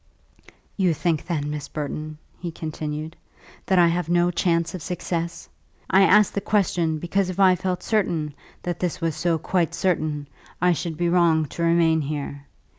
"You think then, Miss Burton," he continued, "that I have no chance of success? I ask the question because if I felt certain that this was so, quite certain, I should be wrong to remain here.